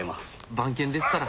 番犬ですから。